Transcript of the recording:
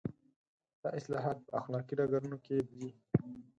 دا اصلاحات په اخلاقي ډګرونو کې دي.